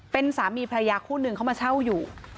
เป็นสามีพระยาคู่หนึ่งเข้ามาเช่าอยู่